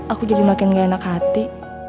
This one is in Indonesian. aku jadi makin gak enak hati